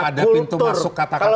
kalau ada pintu masuk kata kata